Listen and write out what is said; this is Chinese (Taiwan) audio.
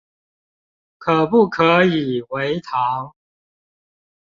可不可以微糖